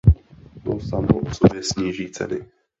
To samo o sobě sníží ceny.